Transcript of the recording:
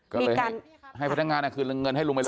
ก็เลยให้พนักงานคืนเงินให้ลุงไปเลย